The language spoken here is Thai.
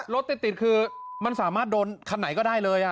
รถติดคือมันสามารถโดนคันไหนก็ได้เลย